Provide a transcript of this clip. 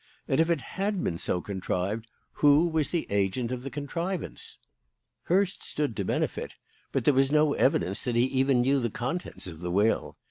And if it had been so contrived, who was the agent in that contrivance? Hurst stood to benefit, but there was no evidence that he even knew the contents of the will.